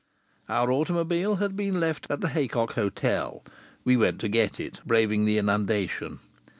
Our automobile had been left at the Haycock Hotel; we went to get it, braving the inundation.